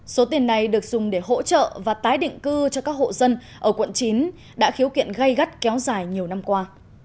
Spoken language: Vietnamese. số tiền này được dùng để hỗ trợ và tái định cư cho các hộ dân ở quận chín đã khiếu kiện gây gắt kéo dài nhiều năm qua